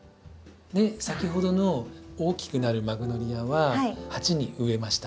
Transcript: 先ほどの大きくなるマグノリアは鉢に植えました。